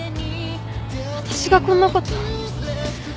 私がこんなこと。